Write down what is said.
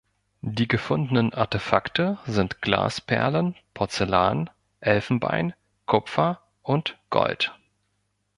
Die gefundenen Artefakte sind Glasperlen, Porzellan, Elfenbein, Kupfer und Gold.